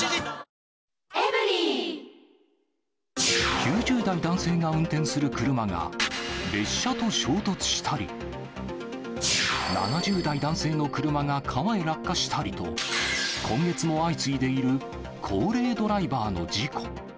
９０代男性が運転する車が、列車と衝突したり、７０代男性の車が川へ落下したりと、今月も相次いでいる高齢ドライバーの事故。